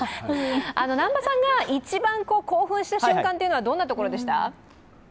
南波さんが一番興奮した瞬間はどんなところでした？